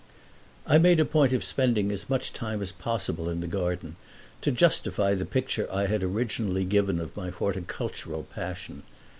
I made a point of spending as much time as possible in the garden, to justify the picture I had originally given of my horticultural passion.